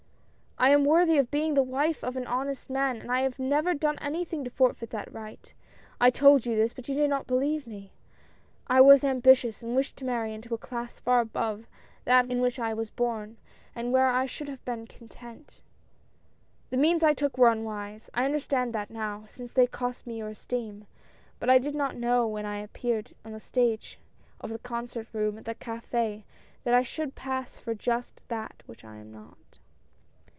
" I am worthy of being the wife of an honest man, and have never done anything to forfeit that right. I told you this, but you did not believe me. I was ambitious and wished to marry into a class far above that in which I was born, and where I should have been content. " The means I took were unwise. I understand that now, since they cost me your esteem ; but I did not know when I appeared on the stage of the concert room, at the caf^, that I should pass for just that which I am not.